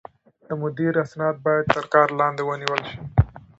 د مدير اسناد بايد تر کار لاندې ونيول شي.